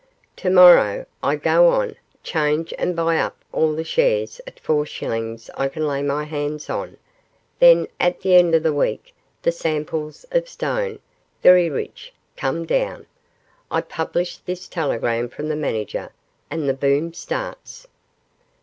To morrow I go on 'Change and buy up all the shares at four shillings I can lay my hands on, then at the end of the week the samples of stone very rich come down. I publish this telegram from the manager, and the "Boom" starts.